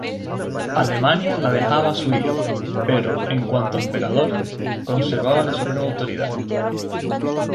Alemania la dejaba a su hijo, pero, en cuanto emperador, conservaba la suprema autoridad.